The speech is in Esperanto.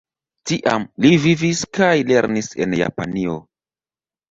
Tiam li vivis kaj lernis en Japanio.